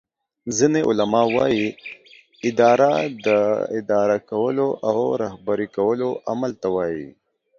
ځینی علما وایې اداره داداره کولو او رهبری کولو عمل ته وایي